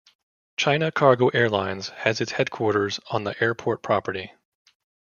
China Cargo Airlines has its headquarters on the airport property.